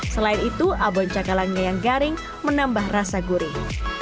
selain itu abonca kalangnya yang garing menambah rasa gurih